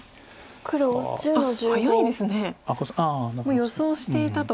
もう予想していたと。